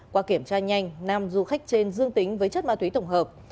qua kiểm tra nhanh nam du khách trên dương tính với chất ma túy tổng hợp